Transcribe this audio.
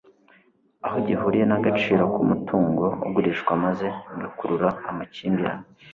aho gihuriye n agaciro k umutungo ugurishwa maze bigakurura amakimbirane